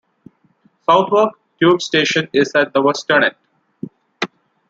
Southwark tube station is at the western end.